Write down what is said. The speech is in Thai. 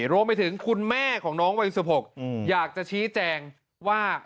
รวมไปถึงคุณแม่ของน้องวัย๑๖อยากจะชี้แจงว่า